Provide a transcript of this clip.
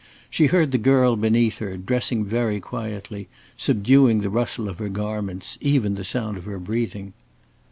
She heard the girl beneath her, dressing very quietly, subduing the rustle of her garments, even the sound of her breathing.